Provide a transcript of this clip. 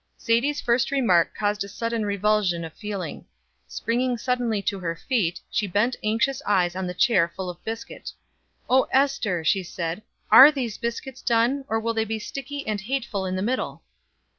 Sadie's first remark caused a sudden revulsion of feeling. Springing suddenly to her feet, she bent anxious eyes on the chair full of biscuit. "Oh, Ester," she said, "are these biscuits done, or will they be sticky and hateful in the middle?"